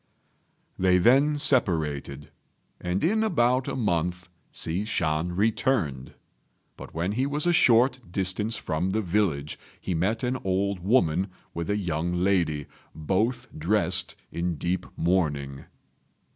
They then separated, and in about a month Hsi Shan returned; but when he was a short distance from the village he met an old woman with a young lady, both dressed in deep mourning.